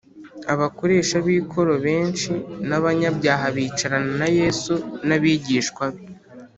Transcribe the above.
abakoresha b ikoro benshi n abanyabyaha bicarana na Yesu n abigishwa be